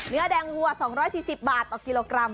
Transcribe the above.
เนื้อแดงวัว๒๔๐บาทต่อกิโลกรัม